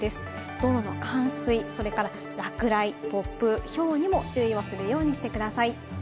道路の冠水、それから落雷、突風、ひょうにも注意をするようにしてください。